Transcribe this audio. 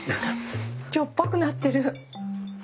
しょっぱくなってる。